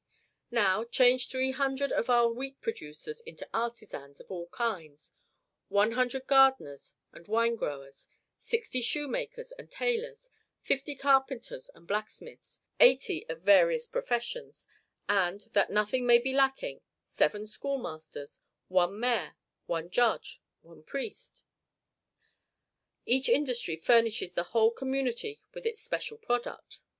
Now, change three hundred of our wheat producers into artisans of all kinds: one hundred gardeners and wine growers, sixty shoemakers and tailors, fifty carpenters and blacksmiths, eighty of various professions, and, that nothing may be lacking, seven school masters, one mayor, one judge, and one priest; each industry furnishes the whole community with its special product.